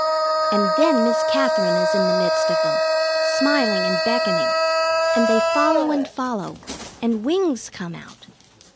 And then Miss Katherine is in the midst of them, smiling and beckoning, and they follow and follow, and wings come out.